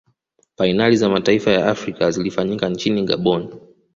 fainali za mataifa ya afrika zilifanyika nchini gabon